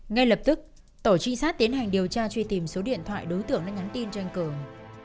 ngay lập tức tổ trinh sát tiến hành điều tra truy tìm số điện thoại đối tượng đã nhắn tin cho anh cường